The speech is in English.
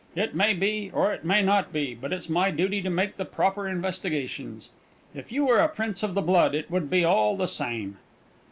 It may be, or it may not be; but it's my duty to make the proper investigations. If you were a prince of the blood, it would be all the same."